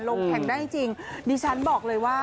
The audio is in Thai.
ลงแข่งได้จริงดิฉันบอกเลยว่า